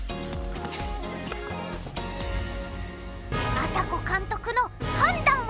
あさこ監督の判断は？